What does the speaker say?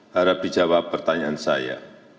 harap dijawab pertanyaan saya